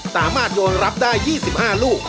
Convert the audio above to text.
สามารถโยนรับได้๒๕ลูก